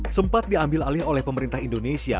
sempat diambil alih oleh pemerintah indonesia